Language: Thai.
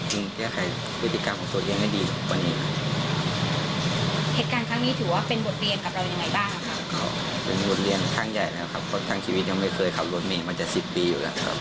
เป็นบทเรียนครั้งใหญ่นะครับเพราะทั้งชีวิตยังไม่เคยขับรถมีมันจะ๑๐ปีอยู่แล้วครับ